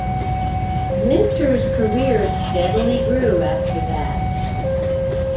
Minter's career steadily grew after that.